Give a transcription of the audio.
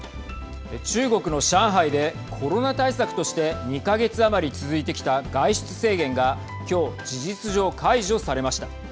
中国の上海でコロナ対策として２か月余り続いてきた外出制限がきょう、事実上解除されました。